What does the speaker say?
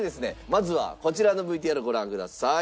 まずはこちらのＶＴＲをご覧ください。